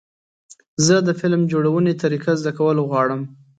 زه د فلم جوړونې طریقه زده کول غواړم.